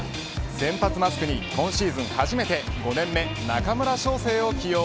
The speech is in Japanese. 先発マスクに今シーズン初めて５年目、中村奨成を起用。